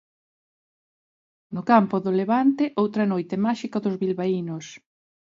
No campo do Levante outra noite máxica dos bilbaínos.